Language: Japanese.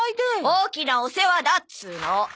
大きなお世話だっつうの。